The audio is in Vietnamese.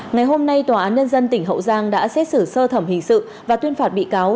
ngày hôm nay tòa án nhân dân tỉnh hậu giang đã xét xử sơ thẩm hình sự và tuyên phạt bị cáo